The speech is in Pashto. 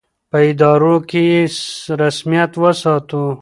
په ادارو کې یې رسمیت وساتو.